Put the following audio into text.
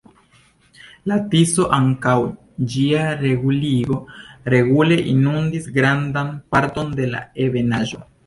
La Tiso antaŭ ĝia reguligo regule inundis grandan parton de la Ebenaĵo.